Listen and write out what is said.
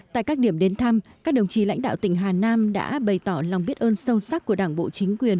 tại các điểm đến thăm các đồng chí lãnh đạo tỉnh hà nam đã bày tỏ lòng biết ơn sâu sắc của đảng bộ chính quyền